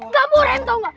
gak mau rem tau gak